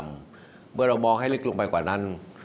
เมื่อเรามองให้ลึกลงไปกว่านั้น